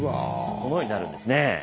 このようになるんですね。